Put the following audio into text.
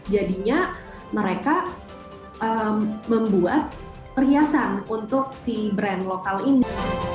jadinya mereka membuat perhiasan untuk si brand lokal ini